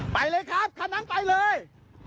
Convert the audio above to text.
ไปเลยครับคันนั้นไปเลย